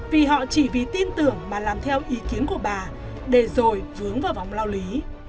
vì họ chỉ vì tin tưởng mà làm theo ý kiến của bà để rồi vướng vào vòng lao lý